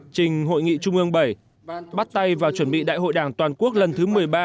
trình hội nghị trung ương bảy bắt tay vào chuẩn bị đại hội đảng toàn quốc lần thứ một mươi ba